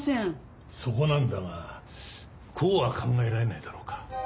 そこなんだがこうは考えられないだろうか？